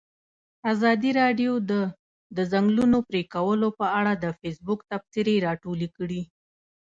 ازادي راډیو د د ځنګلونو پرېکول په اړه د فیسبوک تبصرې راټولې کړي.